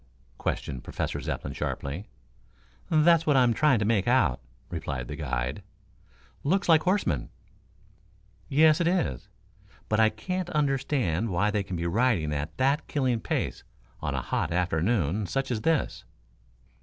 questioned Professor Zepplin sharply. "That's what I'm trying to make out," replied the guide. "Looks like horsemen." "Yes, it is. But I can't understand why they can be riding at that killing pace on a hot afternoon such as this."